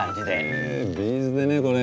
へえビーズでねこれ。